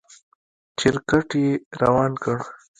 چپرکټ يې روان کړ.